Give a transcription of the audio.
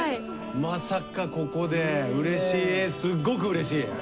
まさかここでうれしいすっごくうれしい。